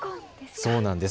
そうなんです。